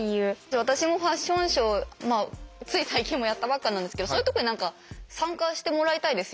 じゃあ私もファッションショーつい最近もやったばっかなんですけどそういうとこに何か参加してもらいたいですよねもっと。